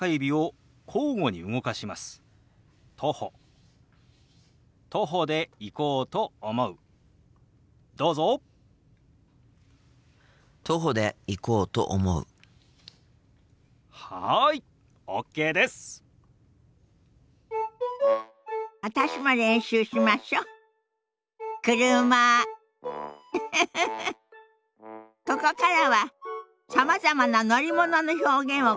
ここからはさまざまな乗り物の表現をご紹介します。